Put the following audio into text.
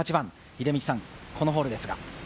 秀道さん、このホールですが。